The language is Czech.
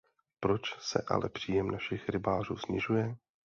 Proč se ale příjem našich rybářů snižuje?